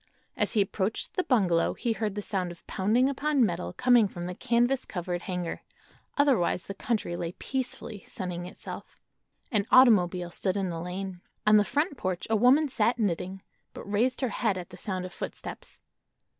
As he approached the bungalow he heard the sound of pounding upon metal coming from the canvas covered hangar; otherwise the country lay peacefully sunning itself. An automobile stood in the lane. On the front porch a woman sat knitting, but raised her head at the sound of footsteps.